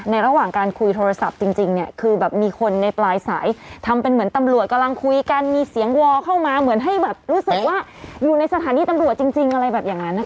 ระหว่างการคุยโทรศัพท์จริงเนี่ยคือแบบมีคนในปลายสายทำเป็นเหมือนตำรวจกำลังคุยกันมีเสียงวอเข้ามาเหมือนให้แบบรู้สึกว่าอยู่ในสถานีตำรวจจริงอะไรแบบอย่างนั้นนะคะ